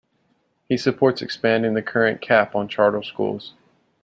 He supports expanding the current cap on charter schools.